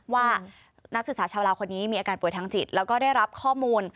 ว่านักศึกษาชาวลาวคนนี้มีอาการป่วยทางจิตแล้วก็ได้รับข้อมูล